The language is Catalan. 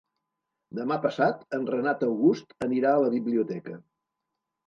Demà passat en Renat August anirà a la biblioteca.